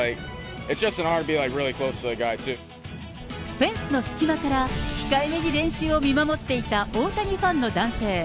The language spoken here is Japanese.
フェンスの隙間から控えめに練習を見守っていた大谷ファンの男性。